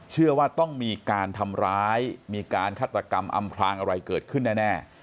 เชื่อว่าต้องมีการทำร้ายมีการฆาตกรรมอำพลางอะไรเกิดขึ้นแน่